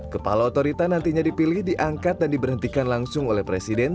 kepala otorita nantinya dipilih diangkat dan diberhentikan langsung oleh presiden